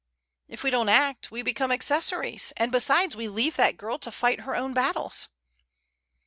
"If we don't act we become accessories, and besides we leave that girl to fight her own battles."